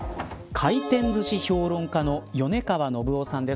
回転ずし評論家の米川伸生さんです。